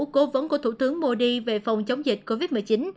cố vấn của thủ tướng modi về phòng chống dịch covid một mươi chín